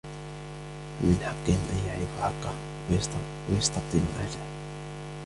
فَمِنْ حَقِّهِمْ أَنْ يَعْرِفُوا حَقَّهُ ، وَيَسْتَبْطِنُوا أَهْلَهُ